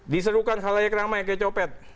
diserukan halayek ramai kayak copet